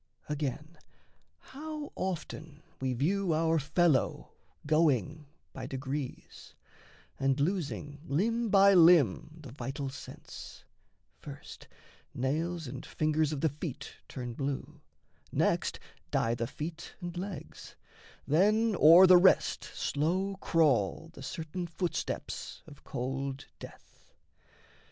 Again, how often We view our fellow going by degrees, And losing limb by limb the vital sense; First nails and fingers of the feet turn blue, Next die the feet and legs, then o'er the rest Slow crawl the certain footsteps of cold death.